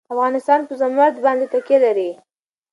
افغانستان په زمرد باندې تکیه لري.